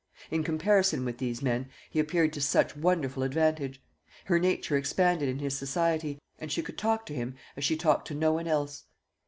In comparison with these men, he appeared to such wonderful advantage. Her nature expanded in his society, and she could talk to him as she talked to no one else.